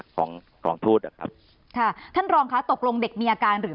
ของของทูตอะครับค่ะท่านรองค่ะตกลงเด็กมีอาการหรือ